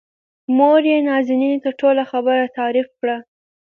موريې نازنين ته ټوله خبره تعريف کړه.